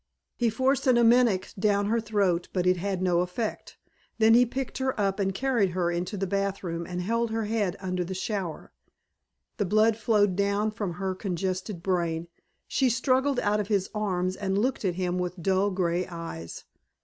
He forced an emetic down her throat, but it had no effect. Then he picked her up and carried her into the bath room and held her head under the shower. The blood flowed down from her congested brain. She struggled out of his arms and looked at him with dull angry eyes.